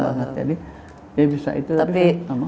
banget jadi ya bisa itu tapi